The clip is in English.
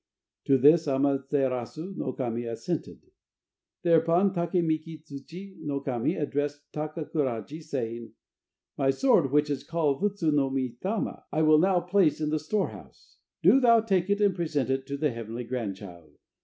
To this Ama terasu no Kami assented. Thereupon Take mika tsuchi no Kami addressed Taka Kuraji, saying: "My sword, which is called Futsu no Mitama, I will now place in the storehouse. Do thou take it and present it to the heavenly grandchild."